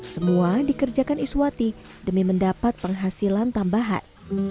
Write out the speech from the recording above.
semua dikerjakan iswati demi mendapat penghasilan tambahan